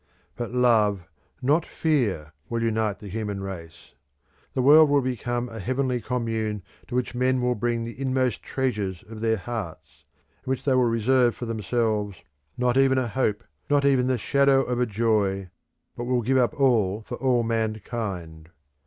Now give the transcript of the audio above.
But Love not Fear will unite the human race. The world will become a heavenly Commune to which men will bring the inmost treasures of their hearts, in which they will reserve for themselves not even a hope, not even the shadow of a joy, but will give up all for all mankind.